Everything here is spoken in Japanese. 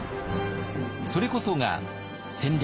それこそが戦略